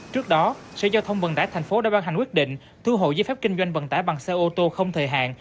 trước đó xe giao thông vận tải thành phố đã ban hành quyết định thu hộ giấy phép kinh doanh vận tải bằng xe ô tô không thời hạn